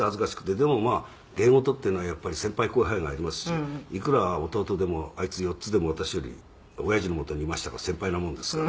「でもまあ芸事っていうのはやっぱり先輩後輩がありますしいくら弟でもあいつ４つでも私より親父のもとにいましたから先輩なもんですから」